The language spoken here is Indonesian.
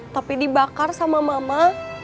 tapi dibakar sama mama